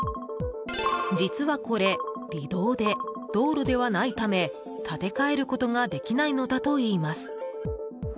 実はこれ、里道で道路ではないため建て替えることができないのだといいます。